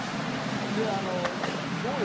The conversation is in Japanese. であのどうですか？